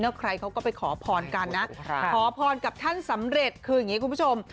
แล้วใครเขาก็ไปขอพรกันนะขอพรกับท่านสำเร็จคืออย่างนี้คุณผู้ชม